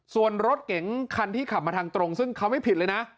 ส่วนรถเก๋งคันที่ขับมาทางตรงซึ่งเขาไม่ผิดเลยนะ